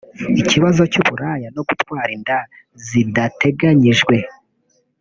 Ikibazo cy’uburaya no gutwara inda zidateganyijwe